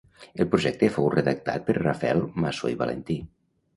El projecte fou redactat per Rafael Masó i Valentí.